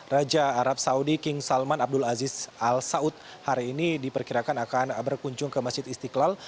raja arab saudi king salman abdul aziz al saud hari ini diperkirakan akan berkunjung ke masjid istiqlal